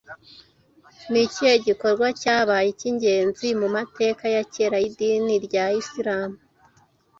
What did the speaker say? Ni ikihe gikorwa cyabaye icy’ingenzi mu mateka ya kera y’idini rya Isilamu